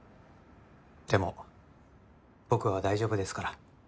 でも僕は大丈夫ですから。